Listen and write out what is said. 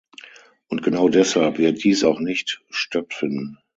Und genau deshalb wird dies auch nicht stattfinden.